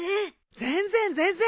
全然全然。